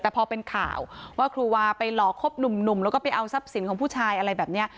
แต่พอเป็นข่าวว่าครูวาไปหลอกคบหนุ่มแล้วก็ไปเอาทรัพย์สินของผู้ชายอะไรแบบนี้